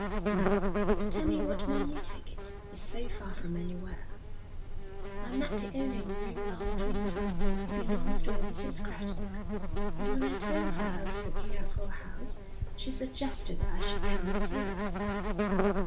'Now tell me what made you take it. It's so far from anywhere.' 'I met the owner in Rome last winter. It belongs to a Mrs. Craddock, and when I told her I was looking out for a house, she suggested that I should come and see this.'